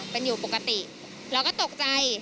เป็นอยู่ปกติเราก็ตกใจ